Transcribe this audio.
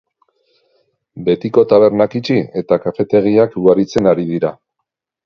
Betiko tabernak itxi eta kafetegiak ugaritzen ari dira.